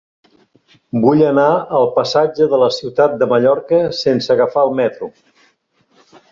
Vull anar al passatge de la Ciutat de Mallorca sense agafar el metro.